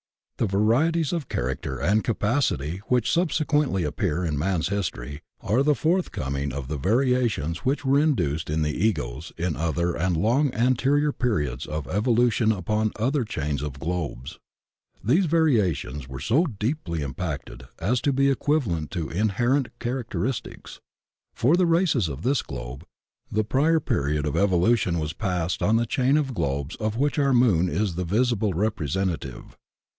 The varieties of character and capacity which sub sequently appear in man's history are the forthcoming of the variations which were induced in the Egos in ANTHROPOIDS ARE DELAYED RACES 129 Other and long anterior periods of evolution upon other chains of globes. These variations were so deeply impacted as to be equivalent to inherent char acteristics. For the races of this globe the prior period of evolution was passed on the chain of globes of which our moon is the visible representative.